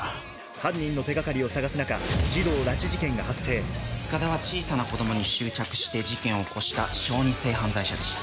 犯人の手掛かりを探す中塚田は小さな子供に執着して事件を起こした小児性犯罪者でした。